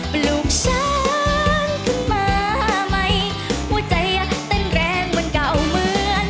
ปลูกช้างขึ้นมาใหม่หัวใจเต้นแรงเหมือนเก่าเหมือน